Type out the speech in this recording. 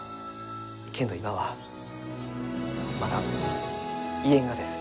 けんど今はまだ言えんがです。